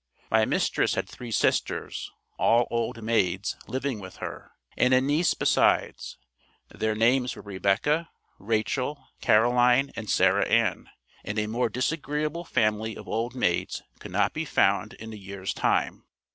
My mistress had three sisters, all old maids living with her, and a niece besides; their names were Rebecca, Rachel, Caroline, and Sarah Ann, and a more disagreeable family of old maids could not be found in a year's time.